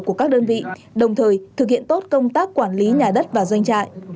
của các đơn vị đồng thời thực hiện tốt công tác quản lý nhà đất và doanh trại